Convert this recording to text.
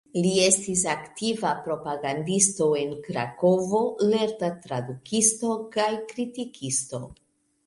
Li estis aktiva propagandisto en Krakovo, lerta tradukisto kaj kritikisto.